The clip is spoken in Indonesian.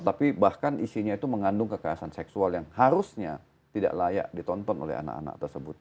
tapi bahkan isinya itu mengandung kekerasan seksual yang harusnya tidak layak ditonton oleh anak anak tersebut